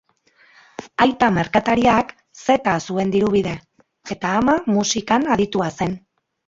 Aita merkatariak zeta zuen diru-bide, eta ama musikan aditua zen.